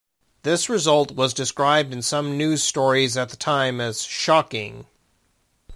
This result was described in some news stories at the time as "shocking".